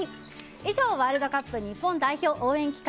以上ワールドカップ日本代表応援企画